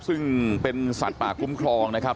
ซึ่งเป็นสัตว์ป่าคุ้มครองนะครับ